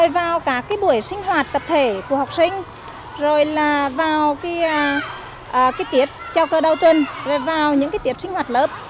vào các buổi sinh hoạt tập thể của học sinh rồi vào tiết trao cơ đầu tuần vào những tiết sinh hoạt lớp